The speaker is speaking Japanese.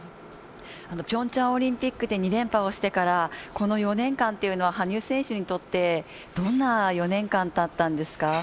ピョンチャンオリンピックで２連覇をしてからこの４年間というのは羽生選手にとってどんな４年間だったんですか？